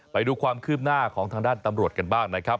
ไปดูความคืบหน้าของทางด้านตำรวจกันบ้างนะครับ